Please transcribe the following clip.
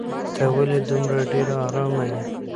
ته ولې دومره ډېره ارامه یې؟